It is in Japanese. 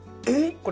これ